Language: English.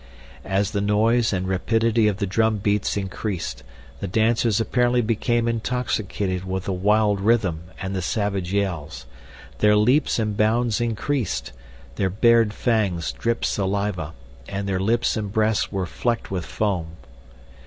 As the noise and rapidity of the drumbeats increased the dancers apparently became intoxicated with the wild rhythm and the savage yells. Their leaps and bounds increased, their bared fangs dripped saliva, and their lips and breasts were flecked with foam.